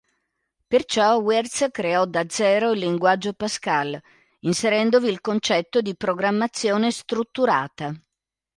Perciò, Wirth creò da zero il linguaggio Pascal, inserendovi il concetto di programmazione strutturata.